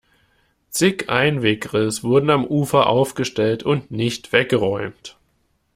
Zig Einweggrills wurden am Ufer aufgestellt und nicht weggeräumt.